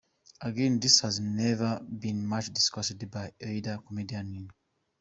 Again, this has never been much discussed by either comedian in.